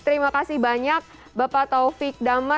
terima kasih banyak bapak taufik dama